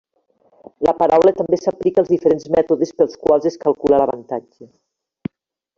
La paraula també s'aplica als diferents mètodes pels quals es calcula l'avantatge.